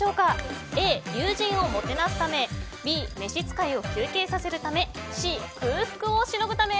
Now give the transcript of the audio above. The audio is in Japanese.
Ａ、友人をもてなすためＢ、召使を休憩させるためＣ、空腹をしのぐため。